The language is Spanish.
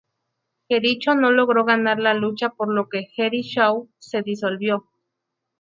Jericho no logró ganar la lucha por lo que Jeri-Show se disolvió.